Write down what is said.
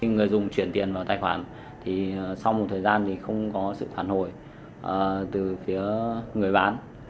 người dùng chuyển tiền vào tài khoản thì sau một thời gian thì không có sự phản hồi từ phía người bán